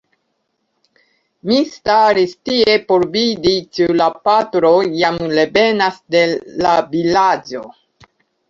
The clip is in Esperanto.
Mi staris tie por vidi ĉu la patro jam revenas de "la Vilaĝo".